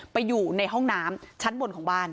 อยู่ในห้องน้ำชั้นบนของบ้าน